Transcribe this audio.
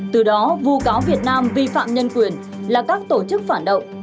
từ đó vu cáo việt nam vi phạm nhân quyền là các tổ chức phản động